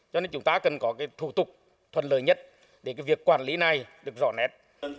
cho nên chúng ta cần có thủ tục thuận lời nhất để việc quản lý này được rõ nét